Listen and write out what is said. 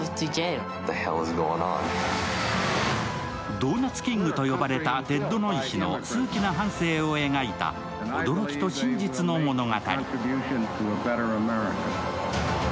ドーナツ王と呼ばれたテッド・ノイ氏の数奇な半生を描いた驚きと真実の物語。